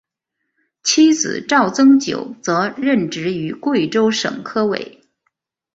妻子赵曾玖则任职于贵州省科委。